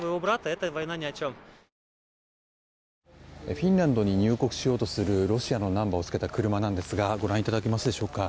フィンランドに入国しようとするロシアのナンバーを付けた車なんですがご覧いただけますでしょうか。